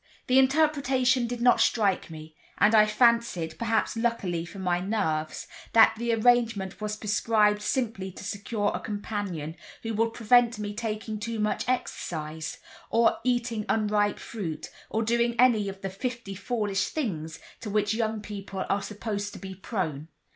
The interpretation did not strike me; and I fancied, perhaps luckily for my nerves, that the arrangement was prescribed simply to secure a companion, who would prevent my taking too much exercise, or eating unripe fruit, or doing any of the fifty foolish things to which young people are supposed to be prone.